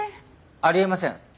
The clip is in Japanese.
あり得ません。